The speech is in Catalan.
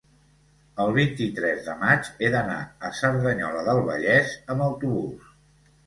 el vint-i-tres de maig he d'anar a Cerdanyola del Vallès amb autobús.